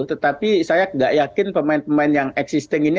tetapi saya tidak yakin pemain pemain yang existing ini